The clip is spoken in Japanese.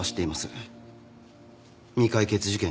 未解決事件